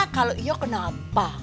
kalau iya kenapa